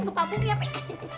gepa bungi ya pak